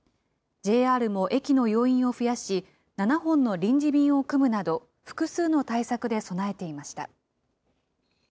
ＪＲも駅の要員を増やし、７本の臨時便を組むなど、複数の対策で備えていました。